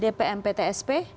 dpm pt sp